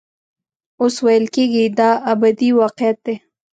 اوس ویل کېږي دا ابدي واقعیت دی.